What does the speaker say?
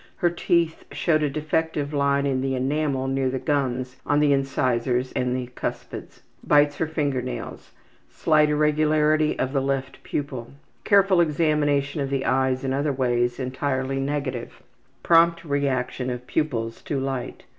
Her teeth showed a defective line in the enamel near the gums on the incisors and the cuspids. Bites her finger nails. Slight irregularity of the left pupil. Careful examination of the eyes in other ways entirely negative. Prompt reaction of pupils to light.